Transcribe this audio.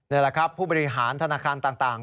นี่แหละครับผู้บริหารธนาคารต่าง